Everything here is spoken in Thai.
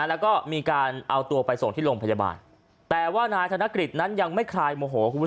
แล้วก็มีการเอาตัวไปส่งที่โรงพยาบาลแต่ว่านายธนกฤษนั้นยังไม่คลายโมโหคุณผู้ชม